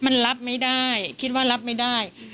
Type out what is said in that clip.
มันรับไม่ได้คิดว่ารับไม่ได้